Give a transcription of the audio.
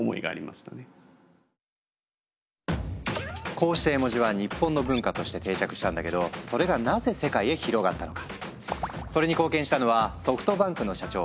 こうして絵文字は日本の文化として定着したんだけどそれがなぜ世界へ広がったのか。